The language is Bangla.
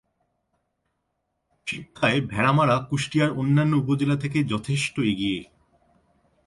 শিক্ষায় ভেড়ামারা কুষ্টিয়ার অন্যান্য উপজেলা থেকে যথেষ্ট এগিয়ে।